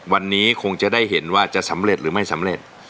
วันนี้คงจะได้เห็นว่าจะสำเร็จหรือไม่สำเร็จ